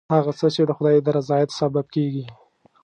هغه څه چې د خدای د رضایت سبب کېږي.